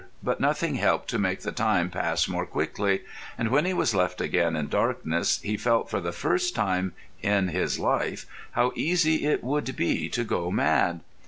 But nothing helped to make the time pass more quickly, and when he was left again in darkness he felt for the first time in his life how easy it would be to go mad.